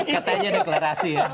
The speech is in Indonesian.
katanya deklarasi ya